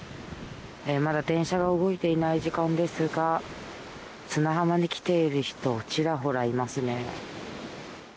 まだ電車が動いていない時間ですが砂浜に来ている人ちらほらいますね。